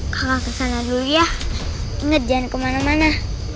kakak kesana dulu ya inget jangan kemana mana